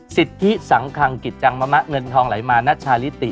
สิทธิสังคังกิจจังมะเงินทองไหลมาณชาลิติ